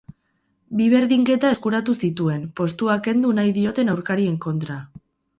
Bi berdinketa eskuratu zituen, postua kendu nahi dioten aurkarien kontra.